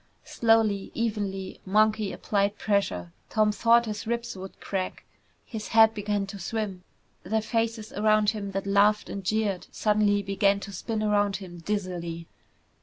Slowly, evenly, Monkey applied pressure. Tom thought his ribs would crack. His head began to swim. The faces around him that laughed and jeered suddenly began to spin around him dizzily.